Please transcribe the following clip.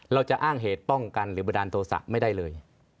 เราจะอ้างเหตุป้องกันหรือบันดาลโทษะไม่ได้เลย